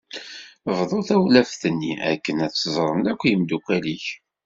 Bḍu tawlaft-nni akken ad tt-ẓren akk yemdukal-ik.